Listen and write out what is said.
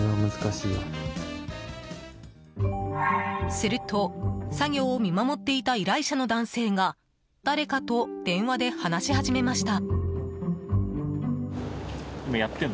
すると、作業を見守っていた依頼者の男性が誰かと電話で話し始めました。